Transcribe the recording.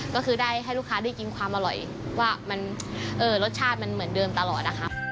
ก็คือได้ให้ลูกค้าได้กินความอร่อยว่ารสชาติมันเหมือนเดิมตลอดนะครับ